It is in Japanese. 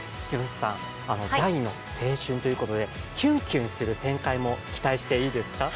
第２の青春ということで、キュンキュンする展開も期待していいですか？